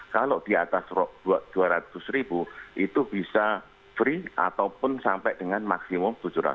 kalau di atas dua ratus ribu itu bisa free ataupun sampai dengan maksimum tujuh ratus